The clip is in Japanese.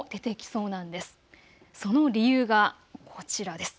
その理由がこちらです。